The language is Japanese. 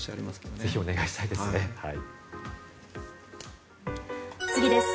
ぜひお願いしたいですね。